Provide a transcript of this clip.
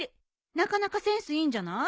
なかなかセンスいいんじゃない。